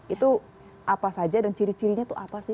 itu apa saja dan ciri cirinya itu apa sih